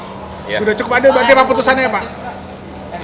sudah cukup adil bagi keputusannya ya pak